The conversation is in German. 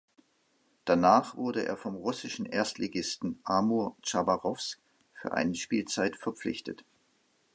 Danach wurde er vom russischen Erstligisten Amur Chabarowsk für eine Spielzeit verpflichtet.